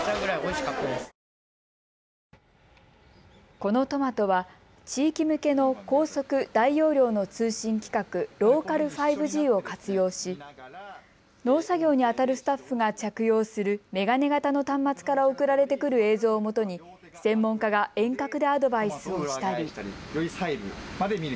このトマトは地域向けの高速・大容量の通信規格、ローカル５Ｇを活用し、農作業にあたるスタッフが着用する眼鏡形の端末から送られてくる映像をもとに専門家が遠隔でアドバイスをしたり。